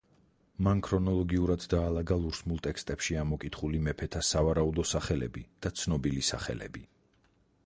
მან ქრონოლოგიურად დაალაგა ლურსმულ ტექსტებში ამოკითხული მეფეთა სავარაუდო სახელები და ცნობილი სახელები.